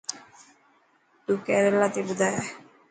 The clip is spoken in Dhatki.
تون ڪيريلا تي ٻڌائي.